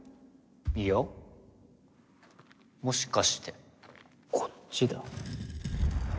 いやもしかしてこっちだ。